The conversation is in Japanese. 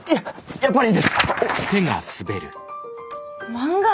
漫画！